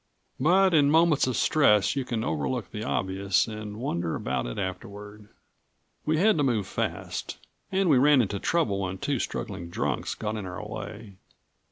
But in moments of stress you can overlook the obvious and wonder about it afterward. We had to move fast and we ran into trouble when two struggling drunks got in our way.